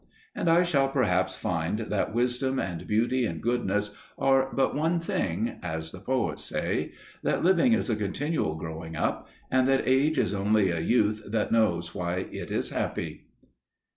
And I shall perhaps find that wisdom and beauty and goodness are but one thing, as the poets say that living is a continual growing up, and that age is only a youth that knows why it is happy!